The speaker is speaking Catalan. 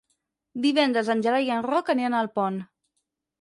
Divendres en Gerai i en Roc aniran a Alpont.